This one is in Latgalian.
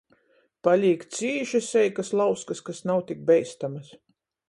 Palīk cīši seikys lauskys, kas nav tik beistamys.